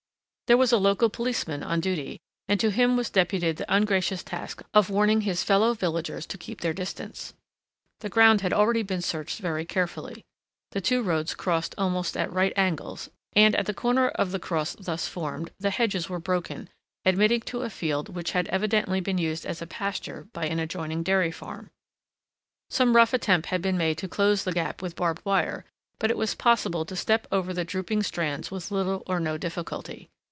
There was a local policeman on duty and to him was deputed the ungracious task of warning his fellow villagers to keep their distance. The ground had already been searched very carefully. The two roads crossed almost at right angles and at the corner of the cross thus formed, the hedges were broken, admitting to a field which had evidently been used as a pasture by an adjoining dairy farm. Some rough attempt had been made to close the gap with barbed wire, but it was possible to step over the drooping strands with little or no difficulty.